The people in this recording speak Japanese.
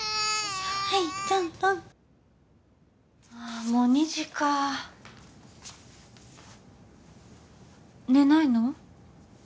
はいトントンああもう２時か寝ないの？